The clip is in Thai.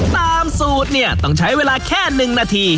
ตามสูตรเนี่ยต้องใช้เวลาแค่๑นาที